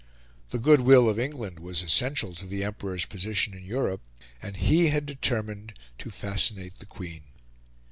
The good will of England was essential to the Emperor's position in Europe, and he had determined to fascinate the Queen.